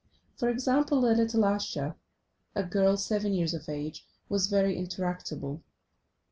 For example, the little Ascha, a girl seven years of age was very intractable.